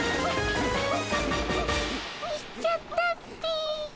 行っちゃったっピ。